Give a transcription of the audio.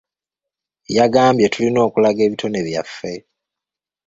Yagambye tulina okulaga ebitone byaffe.